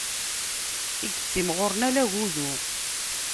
I yettimɣuṛen ala agudu.